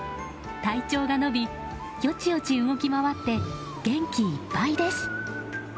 体長が伸び、よちよち動き回って元気いっぱいです。